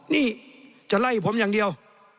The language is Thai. นี่จะไล่ผมอย่างเดียว